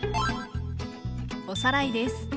おさらいです。